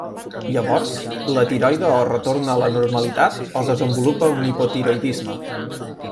Llavors, la tiroide o retorna a la normalitat o desenvolupa un hipotiroïdisme.